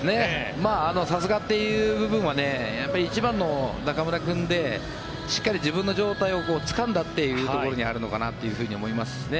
さすがという部分は１番の中村君でしっかり自分の状態をつかんだってところにあるのかなと思いますね。